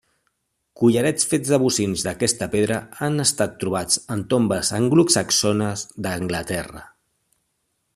Collarets fets de bocins d'aquesta pedra han estat trobats en tombes anglosaxones d'Anglaterra.